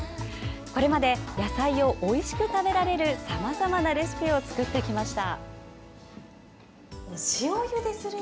これまで野菜をおいしく食べられるさまざまなレシピを作ってきました。